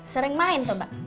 sering main tuh mbak